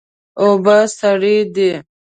اوبه سړې دي.